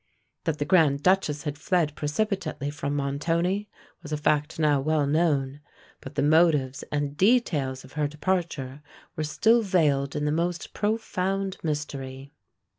That the Grand Duchess had fled precipitately from Montoni, was a fact now well known; but the motives and details of her departure were still veiled in the most profound mystery.